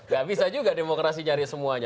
gak bisa juga demokrasi nyari semuanya